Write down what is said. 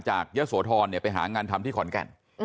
จากเยอะสวทอนไปหางานทำที่ขอนเแกน